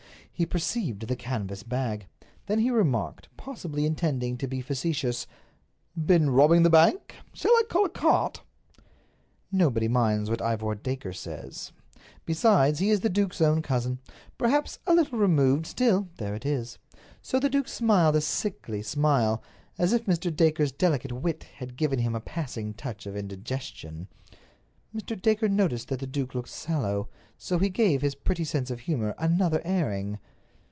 He perceived the canvas bag. Then he remarked, possibly intending to be facetious: "Been robbing the bank? Shall I call a cart?" Nobody minds what Ivor Dacre says. Besides, he is the duke's own cousin. Perhaps a little removed; still, there it is. So the duke smiled a sickly smile, as if Mr. Dacre's delicate wit had given him a passing touch of indigestion. Mr. Dacre noticed that the duke looked sallow, so he gave his pretty sense of humor another airing.